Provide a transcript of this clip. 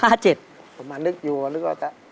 ผมอาจนึกอยู่ว่าจะ